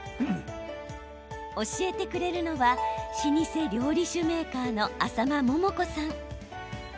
教えてくれるのは老舗料理酒メーカーの浅間桃子さん。